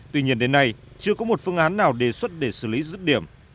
tuy nhiên đến nay chưa có một phương án nào đề xuất để xử lý rứt điểm